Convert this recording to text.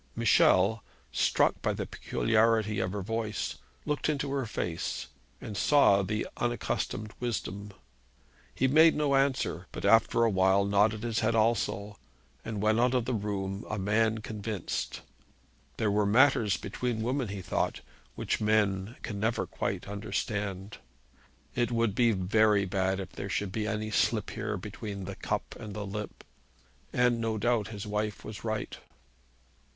Michel, struck by the peculiarity of her voice, looked into her face, and saw the unaccustomed wisdom. He made no answer, but after a while nodded his head also, and went out of the room a man convinced. There were matters between women, he thought, which men can never quite understand. It would be very bad if there should be any slip here between the cup and the lip; and, no doubt, his wife was right.